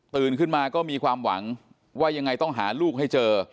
ขึ้นมาก็มีความหวังว่ายังไงต้องหาลูกให้เจอ